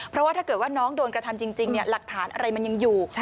เพราะว่าถ้าเกิดว่าน้องโดนกระทำจริงหลักฐานอะไรมันยังอยู่